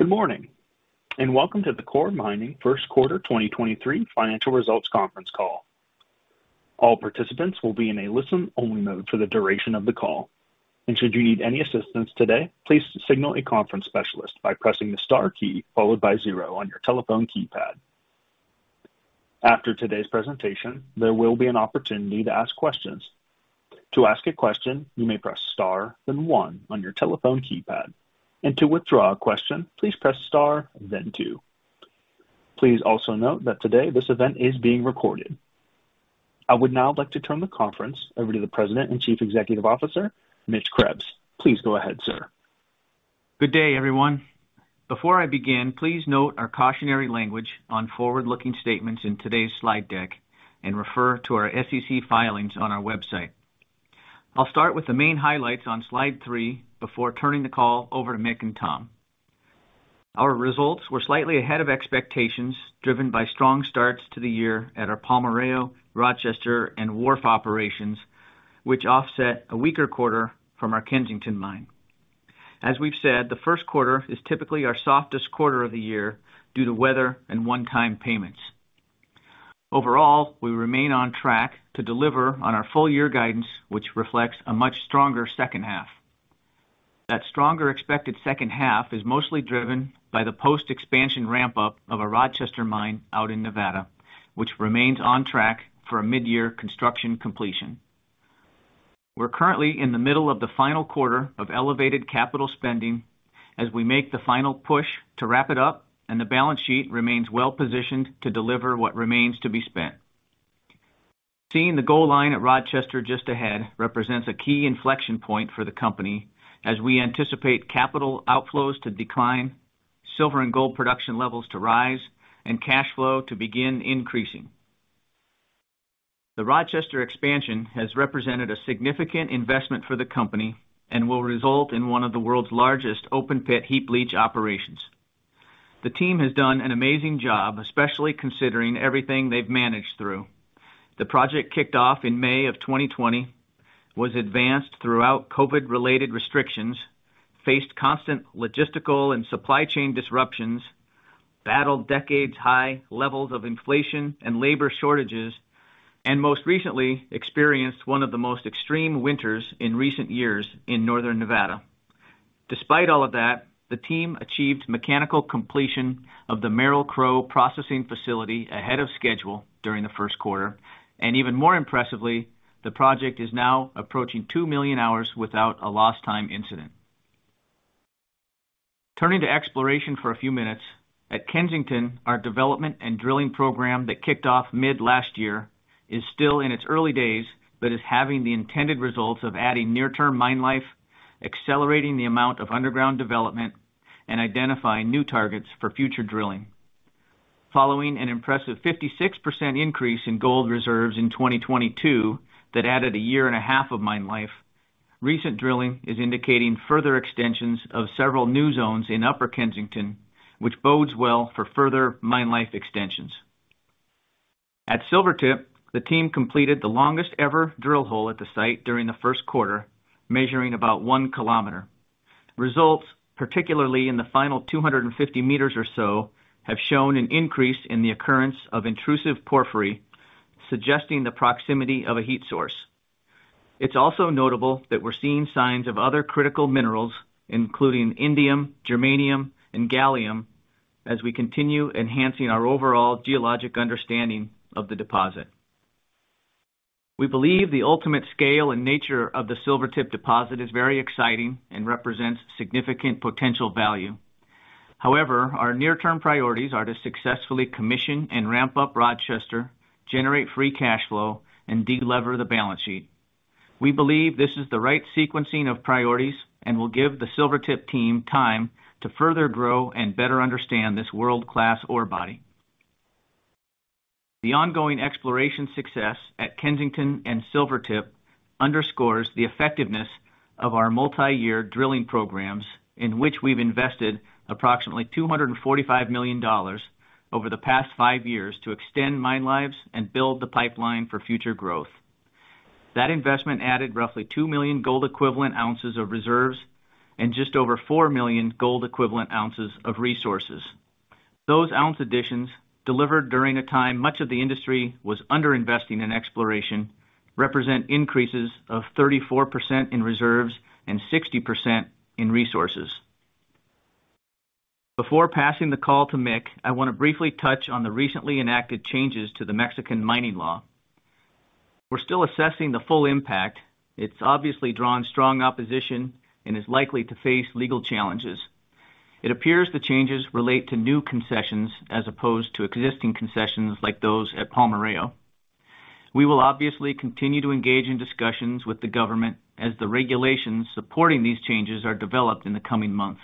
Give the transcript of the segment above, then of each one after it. Good morning, and welcome to the Coeur Mining first quarter 2023 financial results conference call. All participants will be in a listen-only mode for the duration of the call. Should you need any assistance today, please signal a conference specialist by pressing the star key followed by zero on your telephone keypad. After today's presentation, there will be an opportunity to ask questions. To ask a question, you may press star then one on your telephone keypad. To withdraw a question, please press star then two. Please also note that today this event is being recorded. I would now like to turn the conference over to the President and Chief Executive Officer, Mitch Krebs. Please go ahead, sir. Good day, everyone. Before I begin, please note our cautionary language on forward-looking statements in today's slide deck and refer to our SEC filings on our website. I'll start with the main highlights on slide three before turning the call over to Mick and Tom. Our results were slightly ahead of expectations, driven by strong starts to the year at our Palmarejo, Rochester, and Wharf operations, which offset a weaker quarter from our Kensington mine. As we've said, the first quarter is typically our softest quarter of the year due to weather and one-time payments. Overall, we remain on track to deliver on our full year guidance, which reflects a much stronger second half. That stronger expected second half is mostly driven by the post-expansion ramp-up of our Rochester mine out in Nevada, which remains on track for a mid-year construction completion. We're currently in the middle of the final quarter of elevated capital spending as we make the final push to wrap it up, and the balance sheet remains well-positioned to deliver what remains to be spent. Seeing the goal line at Rochester just ahead represents a key inflection point for the company as we anticipate capital outflows to decline, silver and gold production levels to rise, and cash flow to begin increasing. The Rochester expansion has represented a significant investment for the company and will result in one of the world's largest open pit heap leach operations. The team has done an amazing job, especially considering everything they've managed through. The project kicked off in May of 2020, was advanced throughout COVID-related restrictions, faced constant logistical and supply chain disruptions, battled decades high levels of inflation and labor shortages, and most recently, experienced one of the most extreme winters in recent years in Northern Nevada. Despite all of that, the team achieved mechanical completion of the Merrill Crowe processing facility ahead of schedule during the first quarter, and even more impressively, the project is now approaching 2 million hours without a lost time incident. Turning to exploration for a few minutes. At Kensington, our development and drilling program that kicked off mid-last year is still in its early days, but is having the intended results of adding near-term mine life, accelerating the amount of underground development, and identifying new targets for future drilling. Following an impressive 56% increase in gold reserves in 2022 that added a year and a half of mine life, recent drilling is indicating further extensions of several new zones in Upper Kensington, which bodes well for further mine life extensions. At Silvertip, the team completed the longest ever drill hole at the site during the first quarter, measuring about 1 km. Results, particularly in the final 250 m or so, have shown an increase in the occurrence of intrusive porphyry, suggesting the proximity of a heat source. It's also notable that we're seeing signs of other critical minerals, including indium, germanium, and gallium, as we continue enhancing our overall geologic understanding of the deposit. We believe the ultimate scale and nature of the Silvertip deposit is very exciting and represents significant potential value. However, our near-term priorities are to successfully commission and ramp up Rochester, generate free cash flow, and de-lever the balance sheet. We believe this is the right sequencing of priorities and will give the Silvertip team time to further grow and better understand this world-class ore body. The ongoing exploration success at Kensington and Silvertip underscores the effectiveness of our multi-year drilling programs in which we've invested approximately $245 million over the past five years to extend mine lives and build the pipeline for future growth. That investment added roughly 2 million gold equivalent oz of reserves and just over 4 million gold equivalent oz of resources. Those ounce additions, delivered during a time much of the industry was under-investing in exploration, represent increases of 34% in reserves and 60% in resources. Before passing the call to Mick, I want to briefly touch on the recently enacted changes to the Mexican Mining Law. We're still assessing the full impact. It's obviously drawn strong opposition and is likely to face legal challenges. It appears the changes relate to new concessions as opposed to existing concessions like those at Palmarejo. We will obviously continue to engage in discussions with the government as the regulations supporting these changes are developed in the coming months.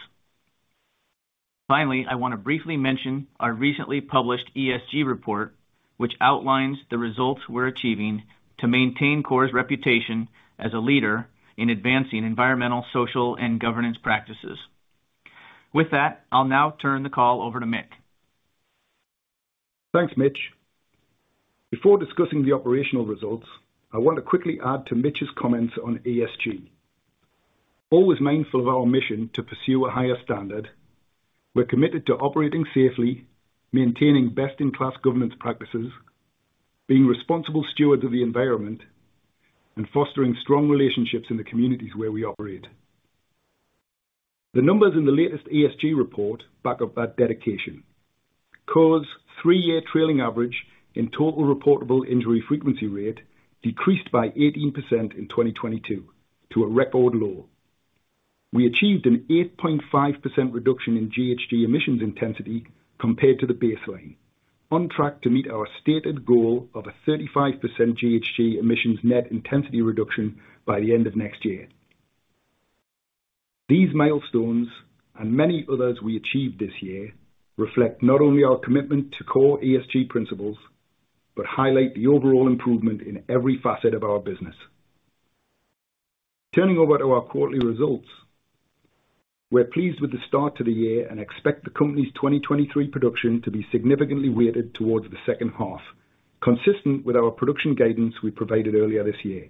I want to briefly mention our recently published ESG report, which outlines the results we're achieving to maintain Coeur's reputation as a leader in advancing environmental, social, and governance practices. I'll now turn the call over to Mick. Thanks, Mitch. Before discussing the operational results, I want to quickly add to Mitch's comments on ESG. Always mindful of our mission to pursue a higher standard, we're committed to operating safely, maintaining best-in-class governance practices, being responsible stewards of the environment, and fostering strong relationships in the communities where we operate. The numbers in the latest ESG report back up that dedication. Coeur's three-year trailing average in Total reportable injury frequency rate decreased by 18% in 2022 to a record low. We achieved an 8.5% reduction in GHG emissions intensity compared to the baseline, on track to meet our stated goal of a 35% GHG emissions net intensity reduction by the end of next year. These milestones and many others we achieved this year reflect not only our commitment to ESG principles, but highlight the overall improvement in every facet of our business. Turning over to our quarterly results, we're pleased with the start to the year and expect the company's 2023 production to be significantly weighted towards the second half, consistent with our production guidance we provided earlier this year.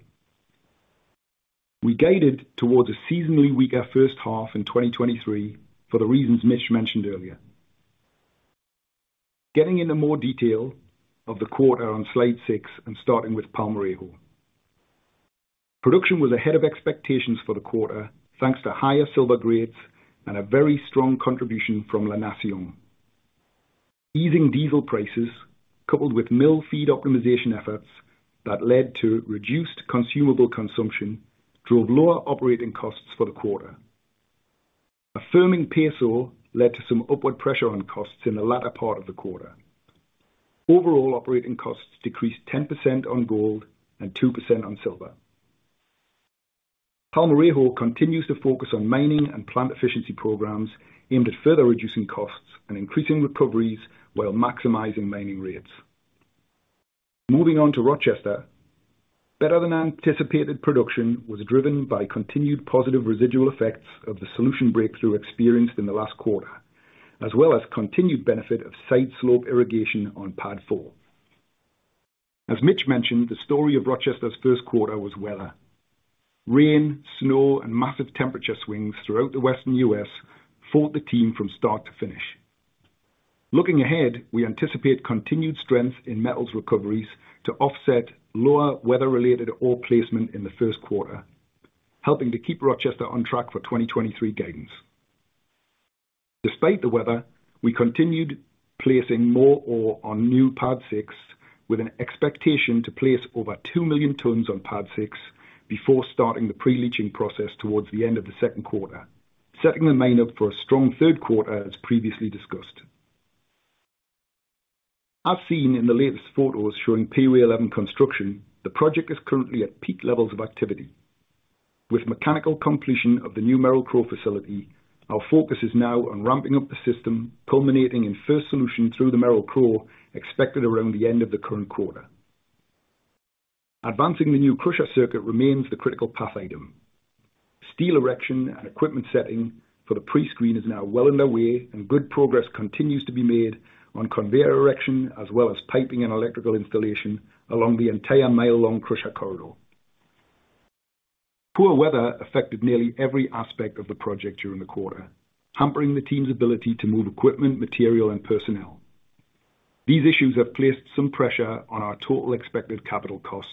We guided towards a seasonally weaker first half in 2023 for the reasons Mitch mentioned earlier. Getting into more detail of the quarter on slide six and starting with Palmarejo. Production was ahead of expectations for the quarter, thanks to higher silver grades and a very strong contribution from La Nación. Easing diesel prices, coupled with mill feed optimization efforts that led to reduced consumable consumption, drove lower operating costs for the quarter. A firming peso led to some upward pressure on costs in the latter part of the quarter. Overall operating costs decreased 10% on gold and 2% on silver. Palmarejo continues to focus on mining and plant efficiency programs aimed at further reducing costs and increasing recoveries while maximizing mining rates. Moving on to Rochester, better-than-anticipated production was driven by continued positive residual effects of the solution breakthrough experienced in the last quarter, as well as continued benefit of site slope irrigation on Pad IV. As Mitch mentioned, the story of Rochester's first quarter was weather. Rain, snow, and massive temperature swings throughout the Western U.S. fought the team from start to finish. Looking ahead, we anticipate continued strength in metals recoveries to offset lower weather-related ore placement in the first quarter, helping to keep Rochester on track for 2023 gains. Despite the weather, we continued placing more ore on new Pad VI with an expectation to place over 2 million tons on Pad VI before starting the pre-leaching process towards the end of the second quarter, setting the mine up for a strong third quarter as previously discussed. As seen in the latest photos showing POA 11 construction, the project is currently at peak levels of activity. With mechanical completion of the new Merrill Crowe facility, our focus is now on ramping up the system, culminating in first solution through the Merrill Crowe, expected around the end of the current quarter. Advancing the new crusher circuit remains the critical path item. Steel erection and equipment setting for the pre-screen is now well underway, and good progress continues to be made on conveyor erection as well as piping and electrical installation along the entire mile-long crusher corridor. Poor weather affected nearly every aspect of the project during the quarter, hampering the team's ability to move equipment, material, and personnel. These issues have placed some pressure on our total expected capital cost,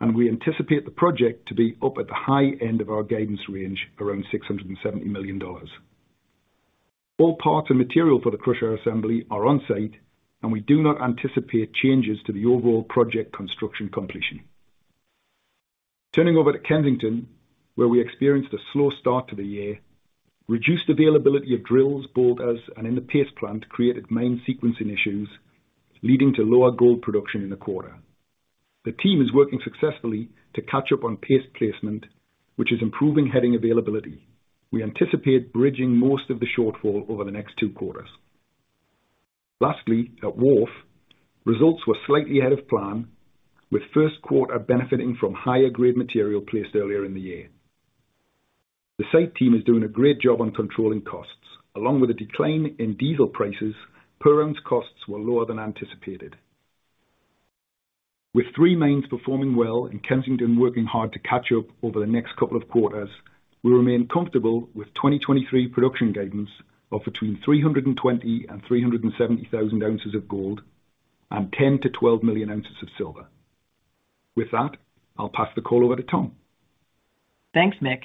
and we anticipate the project to be up at the high end of our guidance range, around $670 million. All parts and material for the crusher assembly are on-site, and we do not anticipate changes to the overall project construction completion. Turning over to Kensington, where we experienced a slow start to the year, reduced availability of drills, bolters and in the paste plant created mine sequencing issues, leading to lower gold production in the quarter. The team is working successfully to catch up on paste placement, which is improving heading availability. We anticipate bridging most of the shortfall over the next two quarters. Lastly, at Wharf, results were slightly ahead of plan, with first quarter benefiting from higher-grade material placed earlier in the year. The site team is doing a great job on controlling costs. Along with a decline in diesel prices, per own costs were lower than anticipated. With three mains performing well and Kensington working hard to catch up over the next couple of quarters, we remain comfortable with 2023 production guidance of between 320,000 oz and 370,000 oz of gold and 10 million oz-12 million oz of silver. With that, I'll pass the call over to Tom. Thanks, Mick.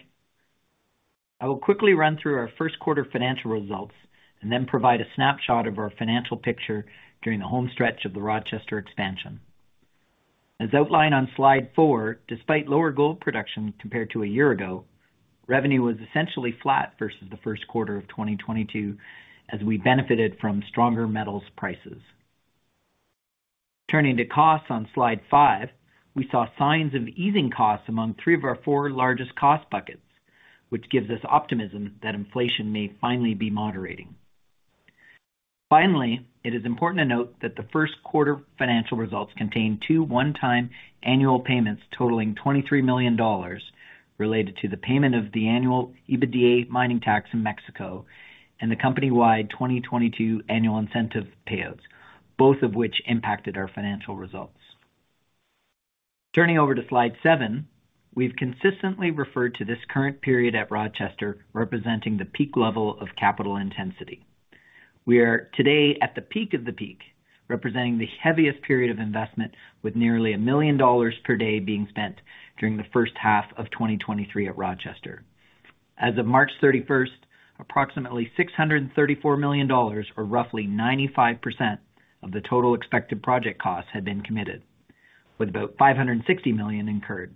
I will quickly run through our first quarter financial results and then provide a snapshot of our financial picture during the home stretch of the Rochester expansion. As outlined on slide four, despite lower gold production compared to a year ago, revenue was essentially flat versus the first quarter of 2022, as we benefited from stronger metals prices. Turning to costs on slide six, we saw signs of easing costs among three of our four largest cost buckets, which gives us optimism that inflation may finally be moderating. Finally, it is important to note that the first quarter financial results contain two one-time annual payments totaling $23 million related to the payment of the annual EBITDA mining tax in Mexico and the company-wide 2022 annual incentive payouts, both of which impacted our financial results. Turning over to slide seven. We've consistently referred to this current period at Rochester representing the peak level of capital intensity. We are today at the peak of the peak, representing the heaviest period of investment, with nearly $1 million per day being spent during the first half of 2023 at Rochester. As of March 31st, approximately $634 million, or roughly 95% of the total expected project costs, had been committed, with about $560 million incurred.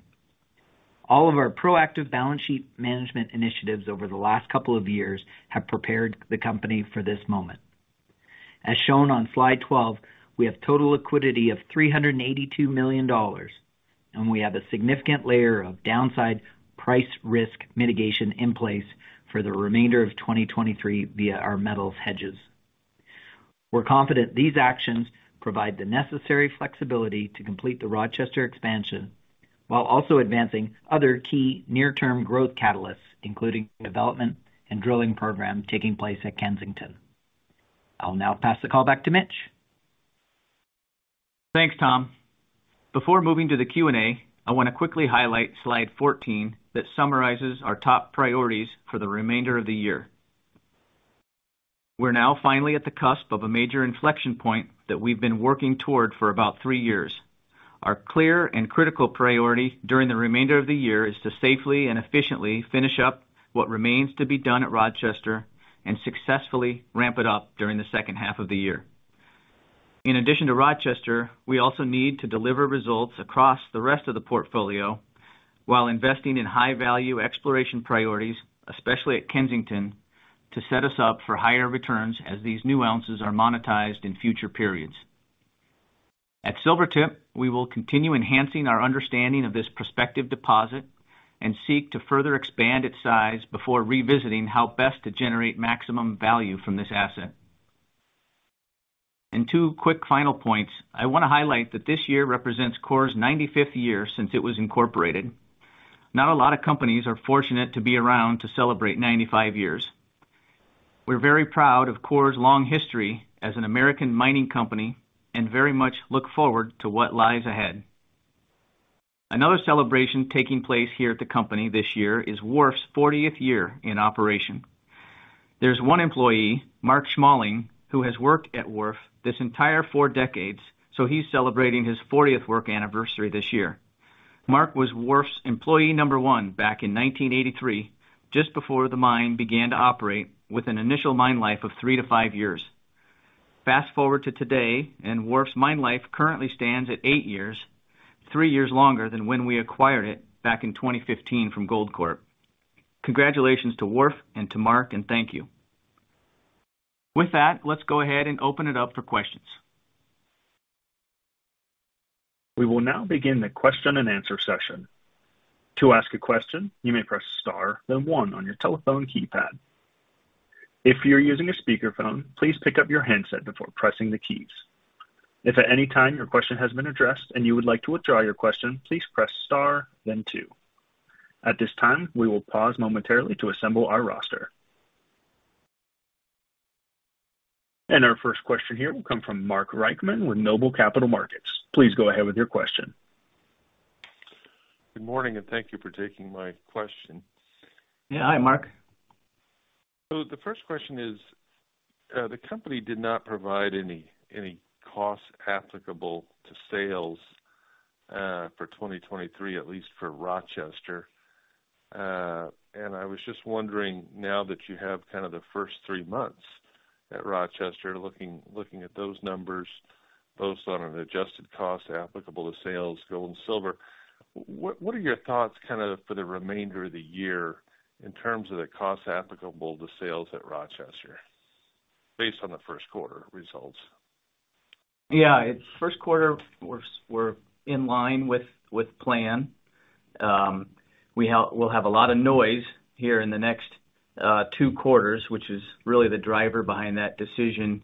All of our proactive balance sheet management initiatives over the last couple of years have prepared the company for this moment. As shown on slide 12, we have total liquidity of $382 million, and we have a significant layer of downside price risk mitigation in place for the remainder of 2023 via our metals hedges. We're confident these actions provide the necessary flexibility to complete the Rochester expansion while also advancing other key near-term growth catalysts, including development and drilling program taking place at Kensington. I'll now pass the call back to Mitch. Thanks, Tom. Before moving to the Q&A, I want to quickly highlight slide 14 that summarizes our top priorities for the remainder of the year. We're now finally at the cusp of a major inflection point that we've been working toward for about three years. Our clear and critical priority during the remainder of the year is to safely and efficiently finish up what remains to be done at Rochester and successfully ramp it up during the second half of the year. In addition to Rochester, we also need to deliver results across the rest of the portfolio while investing in high-value exploration priorities, especially at Kensington, to set us up for higher returns as these new ounces are monetized in future periods. At Silvertip, we will continue enhancing our understanding of this prospective deposit and seek to further expand its size before revisiting how best to generate maximum value from this asset. And two quick final points. I want to highlight that this year represents Coeur's 95th year since it was incorporated. Not a lot of companies are fortunate to be around to celebrate 95 years. We're very proud of Coeur's long history as an American mining company and very much look forward to what lies ahead. Another celebration taking place here at the company this year is Wharf's 40th year in operation. There's one employee, Mark Schmalling, who has worked at Wharf this entire 4 decades, so he's celebrating his 40th work anniversary this year. Mark was Wharf's employee number one back in 1983, just before the mine began to operate with an initial mine life of three to five years. Fast-forward to today, and Wharf's mine life currently stands at eight years, three years longer than when we acquired it back in 2015 from Goldcorp. Congratulations to Wharf and to Mark. Thank you. With that, let's go ahead and open it up for questions. We will now begin the question-and-answer session. To ask a question, you may press star, then one on your telephone keypad. If you're using a speakerphone, please pick up your handset before pressing the keys. If at any time your question has been addressed and you would like to withdraw your question, please press star then two. At this time, we will pause momentarily to assemble our roster. Our first question here will come from Mark Reichman with Noble Capital Markets. Please go ahead with your question. Good morning, and thank you for taking my question. Yeah. Hi, Mark. The first question is, the company did not provide any costs applicable to sales for 2023, at least for Rochester. I was just wondering, now that you have kind of the three months at Rochester, looking at those numbers, both on an adjusted cost applicable to sales, gold and silver what are your thoughts kind of for the remainder of the year in terms of the costs applicable to sales at Rochester based on the first quarter results? Yeah. First quarter we're in line with plan. We'll have a lot of noise here in the next two quarters, which is really the driver behind that decision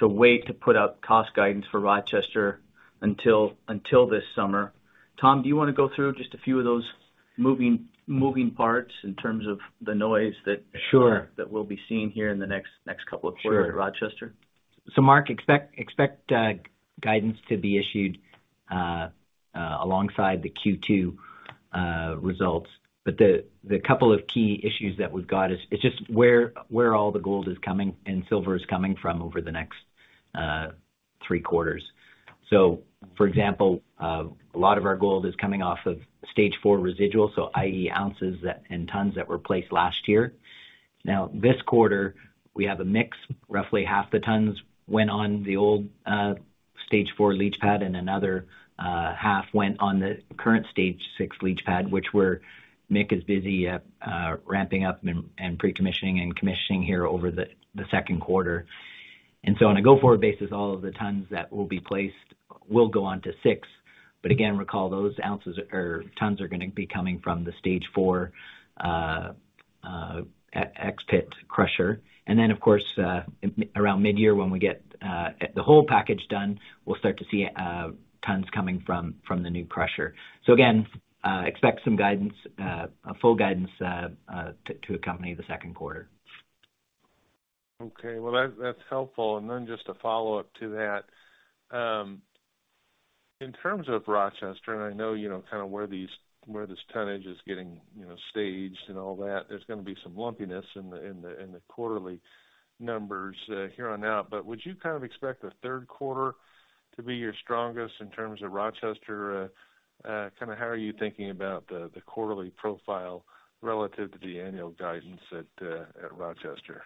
to wait to put out cost guidance for Rochester until this summer. Tom, do you want to go through just a few of those moving parts in terms of the noise that— Sure. That we'll be seeing here in the next couple of quarters at Rochester? Sure. Mark, expect guidance to be issued alongside the Q2 results. The couple of key issues that we've got is it's just where all the gold is coming and Silvertip is coming from over the next three quarters. For example, a lot of our gold is coming off of Stage IV residuals, so i.e. ounces that, and tons that were placed last year. Now this quarter, we have a mix. Roughly half the tons went on the old Stage IV leach pad, and another half went on the current Stage VI leach pad, which Mick is busy at ramping up and pre-commissioning and commissioning here over the second quarter. On a go-forward basis, all of the tons that will be placed will go on to VI. Again, recall those ounces or tons are gonna be coming from the Stage IV, ex-pit crusher. Of course, around mid-year, when we get the whole package done, we'll start to see tons coming from the new crusher. Again, expect some guidance, a full guidance to accompany the second quarter. Okay, well, that's helpful. Just a follow-up to that. In terms of Rochester, and I know, you know, kind of where this tonnage is getting, you know, staged and all that, there's gonna be some lumpiness in the quarterly numbers here on out. Would you kind of expect the third quarter to be your strongest in terms of Rochester? Kind of how are you thinking about the quarterly profile relative to the annual guidance at Rochester?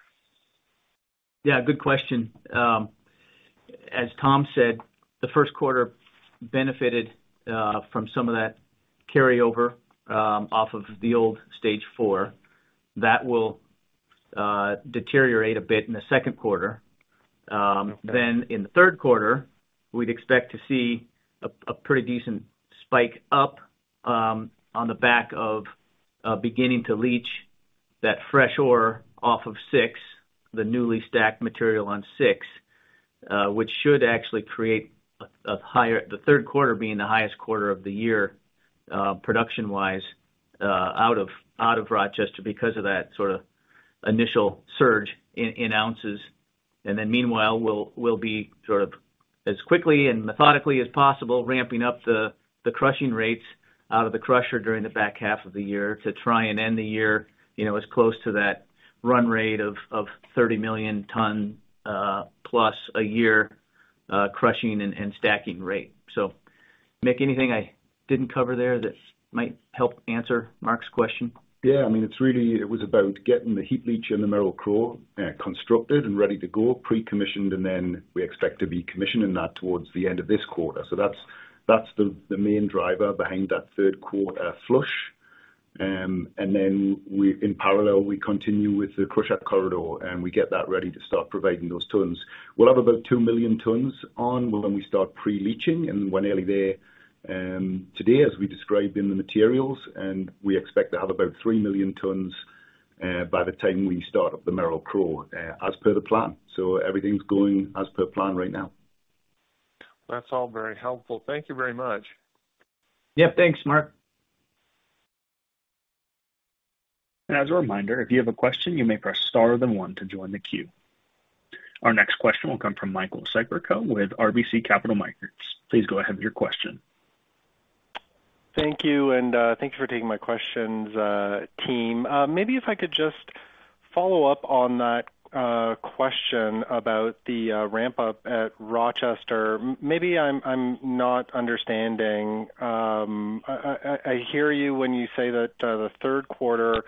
Yeah, good question. As Tom said, the first quarter benefited from some of that carryover off of the old Stage IV. That will deteriorate a bit in the second quarter. In the third quarter, we'd expect to see a pretty decent spike up on the back of beginning to leach that fresh ore off of VI, the newly stacked material on VI, which should actually create a higher—the third quarter being the highest quarter of the year, production-wise, out of Rochester because of that sort of initial surge in ounces. Meanwhile, we'll be sort of as quickly and methodically as possible, ramping up the crushing rates out of the crusher during the back half of the year to try and end the year, you know, as close to that run rate of 30+ million tons a year crushing and stacking rate. Mick, anything I didn't cover there that might help answer Mark's question? Yeah, I mean, it's really, it was about getting the heap leach and the Merrill Crowe constructed and ready to go, pre-commissioned, and then we expect to be commissioning that towards the end of this quarter. That's the main driver behind that third quarter flush. In parallel, we continue with the crush at Corridor, and we get that ready to start providing those tons. We'll have about 2 million tons on when we start pre-leaching, and we're nearly there today as we described in the materials, and we expect to have about 3 million tons by the time we start up the Merrill Crowe as per the plan. Everything's going as per plan right now. That's all very helpful. Thank you very much. Yeah, thanks, Mark. As a reminder, if you have a question, you may press star then one to join the queue. Our next question will come from Michael Siperco with RBC Capital Markets. Please go ahead with your question. Thank you, and thank you for taking my questions, team. Maybe if I could just follow up on that question about the ramp up at Rochester. Maybe I'm not understanding. I hear you when you say that the third quarter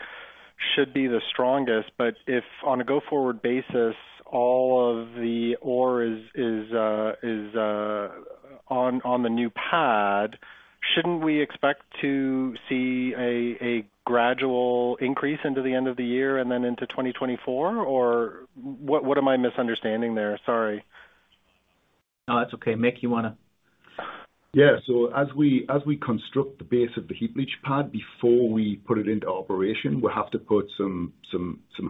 should be the strongest, if on a go-forward basis, all of the ore is on the new pad, shouldn't we expect to see a gradual increase into the end of the year and then into 2024? What am I misunderstanding there? Sorry. No, that's okay. Mick, you wanna? As we construct the base of the heap leach pad, before we put it into operation, we'll have to put some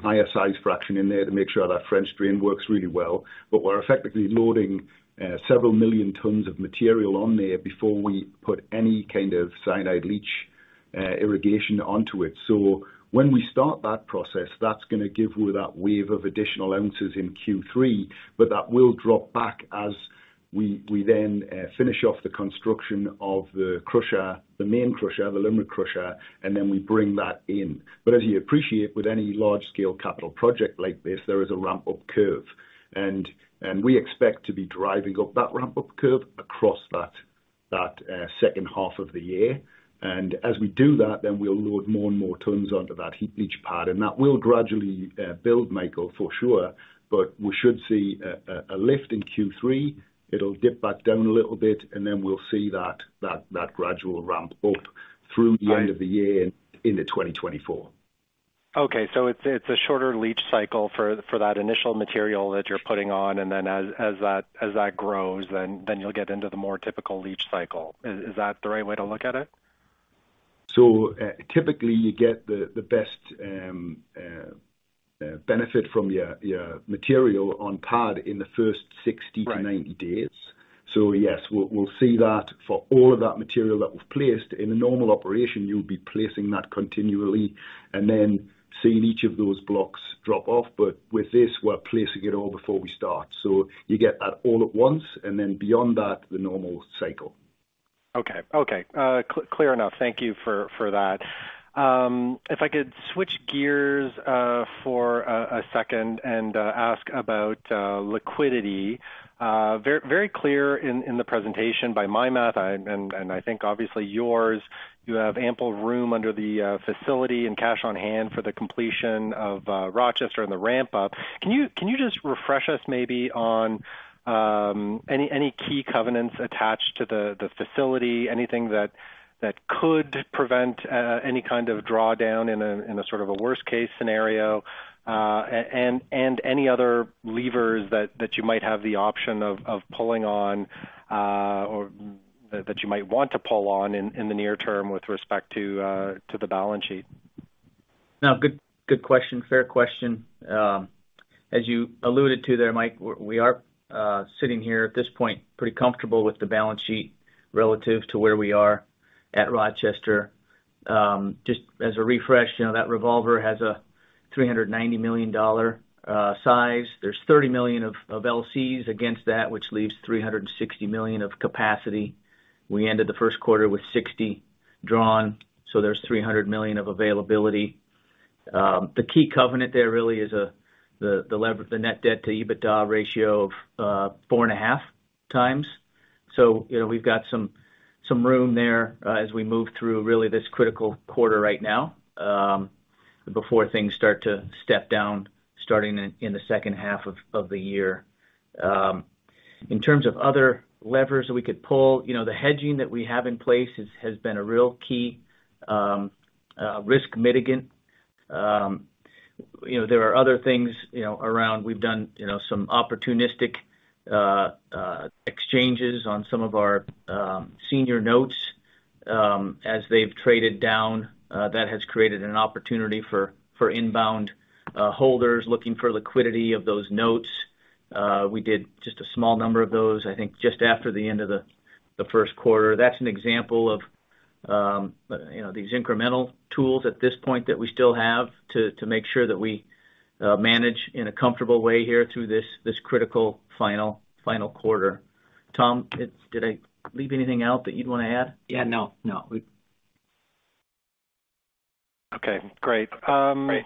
higher size fraction in there to make sure that French drain works really well. We're effectively loading several million tons of material on there before we put any kind of cyanide leach irrigation onto it. When we start that process, that's gonna give you that wave of additional ounces in Q3, but that will drop back as we then finish off the construction of the crusher, the main crusher, the limit crusher, and then we bring that in. As you appreciate, with any large scale capital project like this, there is a ramp-up curve. We expect to be driving up that ramp-up curve across that second half of the year. As we do that, we'll load more and more tons onto that heap leach pad. That will gradually build, Michael, for sure. We should see a lift in Q3. It'll dip back down a little bit, and then we'll see that gradual ramp up through the end of the year and into 2024. Okay. It's a shorter leach cycle for that initial material that you're putting on, and then as that grows, then you'll get into the more typical leach cycle. Is that the right way to look at it? Typically you get the best benefit from your material on the pad in the first 60-90 days. Right. Yes, we'll see that for all of that material that we've placed. In a normal operation, you'll be placing that continually and then seeing each of those blocks drop off. With this, we're placing it all before we start. You get that all at once, and then beyond that, the normal cycle. Okay. Okay. Clear enough. Thank you for that. If I could switch gears for a second and ask about liquidity. Very clear in the presentation by my math and I think obviously yours, you have ample room under the facility and cash on hand for the completion of Rochester and the ramp-up. Can you just refresh us maybe on any key covenants attached to the facility? Anything that could prevent any kind of drawdown in a sort of a worst case scenario? And any other levers that you might have the option of pulling on or that you might want to pull on in the near term with respect to the balance sheet? No, good question. Fair question. As you alluded to there, Mike, we are sitting here at this point pretty comfortable with the balance sheet relative to where we are at Rochester. Just as a refresh, you know, that revolver has a $390 million size. There's $30 million of LCs against that, which leaves $360 million of capacity. We ended the first quarter with 60 drawn. There's $300 million of availability. The key covenant there really is the net debt-to-EBITDA ratio of 4.5x. You know, we've got some room there as we move through really this critical quarter right now before things start to step down, starting in the second half of the year. In terms of other levers we could pull, you know, the hedging that we have in place has been a real key risk mitigant. You know, there are other things, you know, around we've done, you know, some opportunistic exchanges on some of our senior notes as they've traded down. That has created an opportunity for inbound holders looking for liquidity of those notes. We did just a small number of those, I think just after the end of the first quarter. That's an example of, you know, these incremental tools at this point that we still have to make sure that we manage in a comfortable way here through this critical final quarter. Tom, did I leave anything out that you'd wanna add? Yeah. No, no. Okay, great. Great.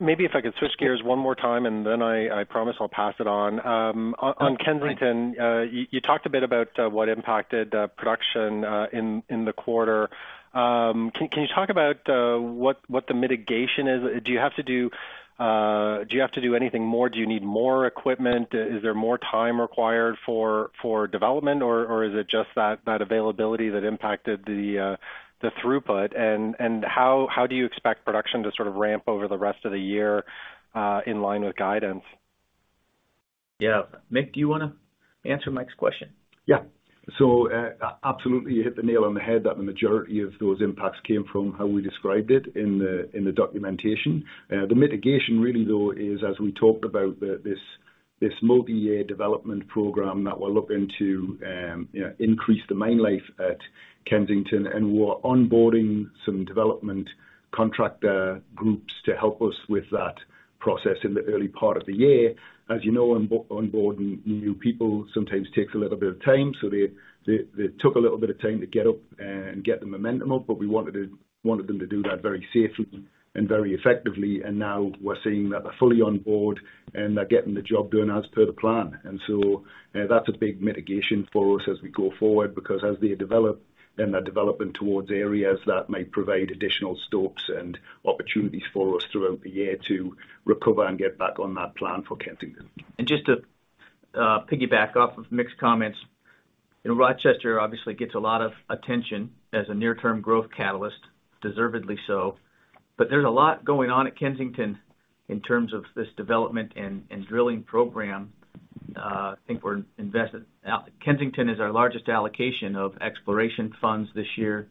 Maybe if I could switch gears one more time, I promise I'll pass it on. On Kensington, you talked a bit about what impacted production in the quarter. Can you talk about what the mitigation is? Do you have to do anything more? Do you need more equipment? Is there more time required for development? Is it just that availability that impacted the throughput? How do you expect production to sort of ramp over the rest of the year in line with guidance? Yeah. Mick, do you wanna answer Mike's question? Yeah. Absolutely, you hit the nail on the head that the majority of those impacts came from how we described it in the documentation. The mitigation really though is, as we talked about this multi-year development program that we're looking to, you know, increase the mine life at Kensington, and we're onboarding some development contractor groups to help us with that process in the early part of the year. As you know, onboarding new people sometimes takes a little bit of time, so they took a little bit of time to get up and get the momentum up, but we wanted them to do that very safely and very effectively. Now we're seeing that they're fully on board, and they're getting the job done as per the plan. That's a big mitigation for us as we go forward, because as they develop, then they're developing towards areas that may provide additional stocks and opportunities for us throughout the year to recover and get back on that plan for Kensington. Just to piggyback off of Mick's comments, you know, Rochester obviously gets a lot of attention as a near-term growth catalyst, deservedly so. There's a lot going on at Kensington in terms of this development and drilling program. I think we're invested. Kensington is our largest allocation of exploration funds this year.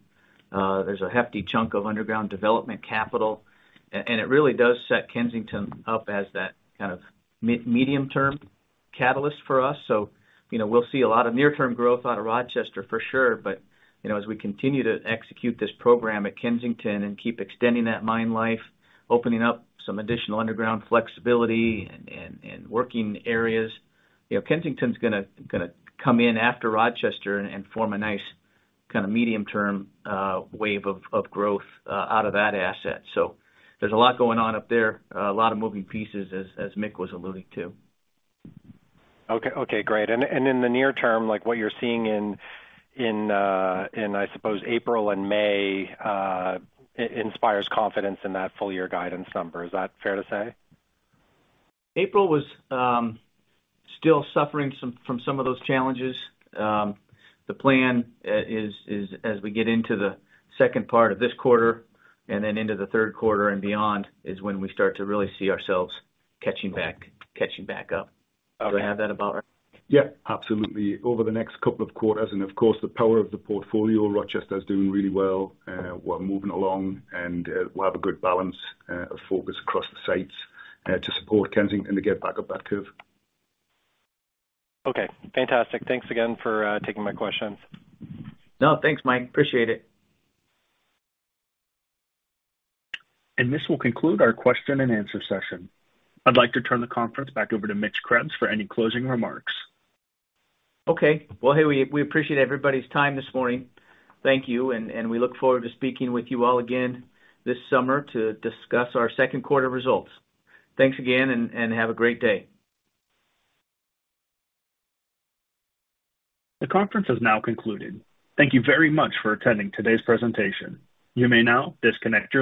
There's a hefty chunk of underground development capital, and it really does set Kensington up as that kind of medium term catalyst for us. You know, we'll see a lot of near-term growth out of Rochester for sure. You know, as we continue to execute this program at Kensington and keep extending that mine life, opening up some additional underground flexibility and working areas, you know, Kensington's gonna come in after Rochester and form a nice kinda medium-term wave of growth out of that asset. There's a lot going on up there, a lot of moving pieces as Mick was alluding to. Okay. Okay, great. In the near term, like what you're seeing in I suppose April and May inspires confidence in that full-year guidance number. Is that fair to say? April was still suffering from some of those challenges. The plan is as we get into the second part of this quarter and then into the third quarter and beyond, is when we start to really see ourselves catching back up. Does that have that about right? Yeah, absolutely. Over the next couple of quarters, and of course, the power of the portfolio, Rochester is doing really well. We're moving along and, we'll have a good balance, of focus across the sites, to support Kensington to get back up that curve. Okay, fantastic. Thanks again for taking my questions. No, thanks, Mike. Appreciate it. This will conclude our question and answer session. I'd like to turn the conference back over to Mitch Krebs for any closing remarks. Okay. Well, hey, we appreciate everybody's time this morning. Thank you, and we look forward to speaking with you all again this summer to discuss our second quarter results. Thanks again, and have a great day. The conference has now concluded. Thank you very much for attending today's presentation. You may now disconnect your line.